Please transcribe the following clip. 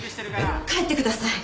帰ってください。